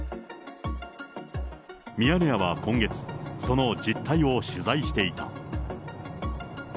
ミヤネ屋は今月、その実態を取材していた。